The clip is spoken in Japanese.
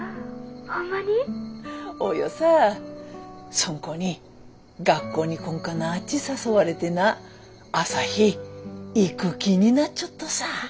そん子に学校に来んかなっち誘われてな朝陽行く気になっちょっとさ。